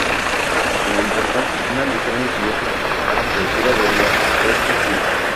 Sin embargo, una lesión le impidió participar en cualquiera de los tres partidos.